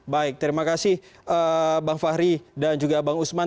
baik terima kasih bang fahri dan juga bang usman